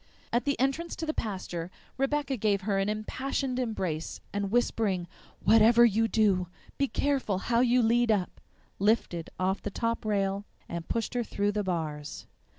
At the entrance to the pasture Rebecca gave her an impassioned embrace, and whispering, "WHATEVER YOU DO, BE CAREFUL HOW YOU LEAD UP," lifted off the top rail and pushed her through the bars.